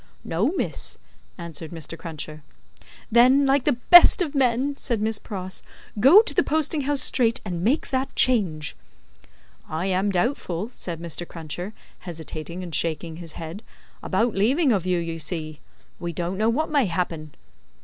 "No, miss," answered Mr. Cruncher. "Then, like the best of men," said Miss Pross, "go to the posting house straight, and make that change." "I am doubtful," said Mr. Cruncher, hesitating and shaking his head, "about leaving of you, you see. We don't know what may happen."